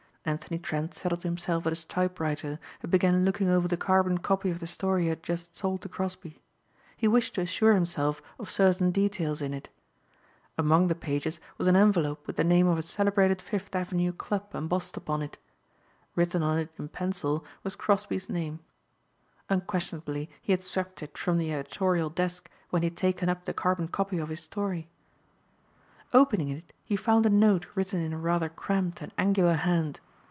Anthony Trent settled himself at his typewriter and began looking over the carbon copy of the story he had just sold to Crosbeigh. He wished to assure himself of certain details in it. Among the pages was an envelope with the name of a celebrated Fifth Avenue club embossed upon it. Written on it in pencil was Crosbeigh's name. Unquestionably he had swept it from the editorial desk when he had taken up the carbon copy of his story. Opening it he found a note written in a rather cramped and angular hand.